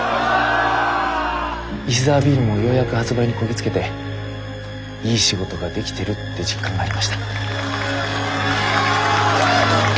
石沢ビールもようやく発売にこぎ着けていい仕事ができてるって実感がありました。